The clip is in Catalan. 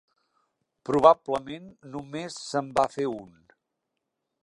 Probablement només se'n va fer un.